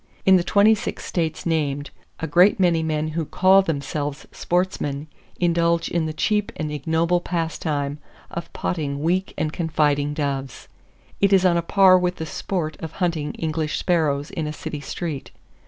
In the twenty six States named, a great many men who call themselves sportsmen indulge in the cheap and ignoble pastime of potting weak and confiding doves. It is on a par with the "sport" of hunting English sparrows in a city street.